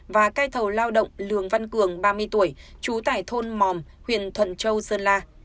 và cai thầu lao động lường văn cường ba mươi tuổi trú tại thôn mòm huyện thuận châu sơn la